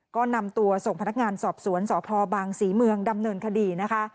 ก็นำตัวส่งพนักงานสอบสวนสพบางศรีเมืองดำเนินคดีนะคะ